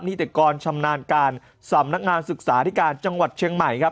นิติกรชำนาญการสำนักงานศึกษาธิการจังหวัดเชียงใหม่ครับ